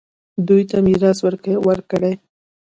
دوی ته میراث ورکړئ